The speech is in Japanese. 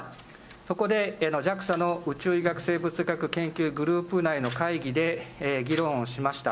そこでＪＡＸＡの宇宙医学生物学研究グループ内の会議で議論をしました。